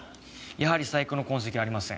やはり細工の痕跡はありません。